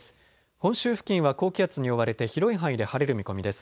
本州付近は高気圧に覆われて広い範囲で晴れる見込みです。